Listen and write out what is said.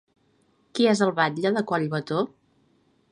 Qui és el batlle de Collbató?